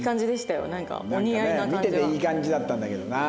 見てていい感じだったんだけどな。